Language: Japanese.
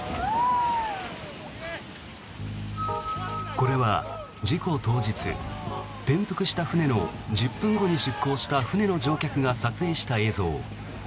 これは、事故当日転覆した船の１０分後に出航した船の乗客が撮影した映像。